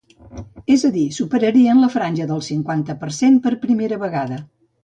És a dir, superarien la franja del cinquanta per cent per primera vegada.